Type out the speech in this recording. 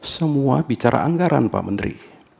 semua bicara anggaran pak menteri